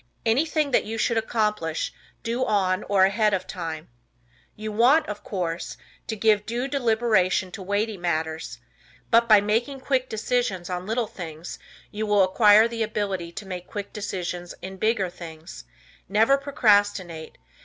Anything that you should accomplish, do on or ahead of time. You want, of course, to give due deliberation to weighty matters, but by making quick decisions on little things you will acquire the ability to make quick decisions in bigger things. Never procrastinate.